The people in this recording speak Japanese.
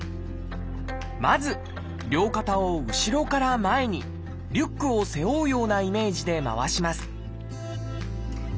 まず両肩を後ろから前にリュックを背負うようなイメージで回します